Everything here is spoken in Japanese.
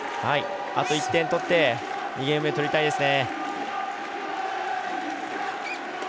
あと１点取って２ゲーム目とりたいですね。